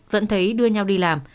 vẫn thấy đưa nhau đi làm